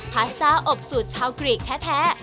พาสต้าอบสูตรชาวกรีกแท้